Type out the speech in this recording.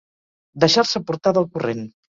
Deixar-se portar del corrent.